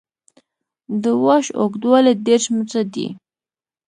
د واش اوږدوالی دېرش متره دی